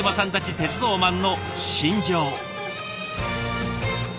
鉄道マンの信条。